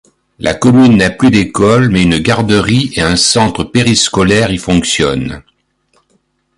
La commune n'a plus d'école mais une garderie et un centre périscolaire y fonctionnent.